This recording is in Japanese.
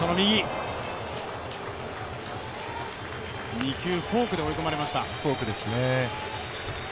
２球フォークで追い込まれました。